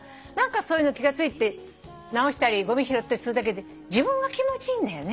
そういうの気が付いて直したりごみ拾ったりするだけで自分が気持ちいいんだよね。